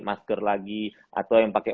masker lagi atau yang pakai